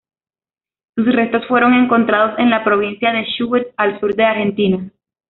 Sus restos fueron encontrados en la provincia de Chubut, al sur de Argentina.